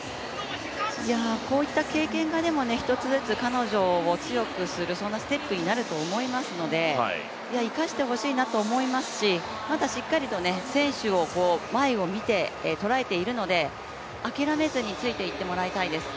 こういった経験が１つずつ彼女を強くする、そんなステップになると思いますので、生かしてほしいなと思いますしまだしっかりと選手を、前を見て、捉えているので、諦めずについていってもらいたいです。